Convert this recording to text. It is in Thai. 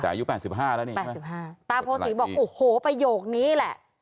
แต่อายุ๘๕แล้วนี่๘๕ตาโพศีบอกโอ้โหประโยคนี้แหละ